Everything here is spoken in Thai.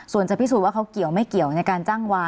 ส่วนจะพิสูจน์ว่าเขาเกี่ยวไม่เกี่ยวในการจ้างวา